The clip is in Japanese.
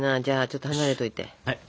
じゃあちょっと離れといて。